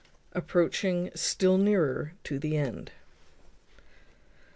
Approaching still nearer to the end.